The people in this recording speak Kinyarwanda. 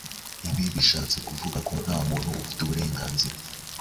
Ibi bishatse kuvuga ko nta muntu ufite uburenganzira